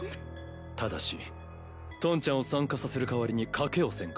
ただしトンちゃんを参加させる代わりに賭けをせんか？